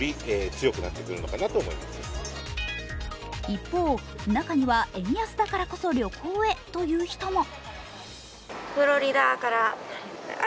一方、中には円安だからこそ旅行へという人も。